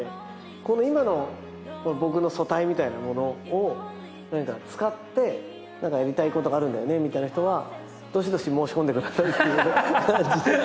この今の僕の素体みたいなものを使って何かやりたいことがあるんだよねみたいな人はどしどし申し込んでくださいっていう感じで。